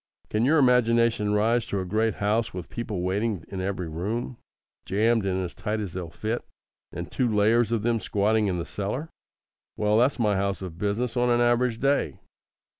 Can your imagination rise to a great house with people waiting in every room, jammed in as tight as they'll fit, and two layers of them squatting in the cellar? Well, that's my house of business on an average day.